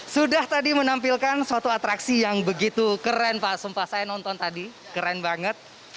sudah tadi menampilkan suatu atraksi yang begitu keren pak sumpah saya nonton tadi keren banget